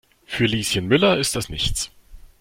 Für Lieschen Müller ist das nichts.